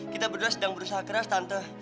kita berdua sedang berusaha keras tanpa